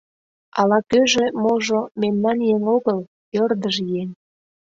Ала-кӧжӧ, можо, мемнан еҥ огыл, ӧрдыж еҥ.